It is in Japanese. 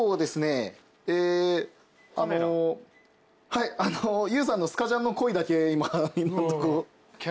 はいＹＯＵさんのスカジャンのコイだけ今んとこ。